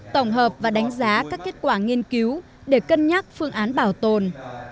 tổng hợp và đánh giá các kết quả nghiên cứu để cân nhắc phương án bảo tồn